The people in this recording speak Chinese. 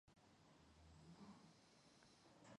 冈古农拉尔萨国王。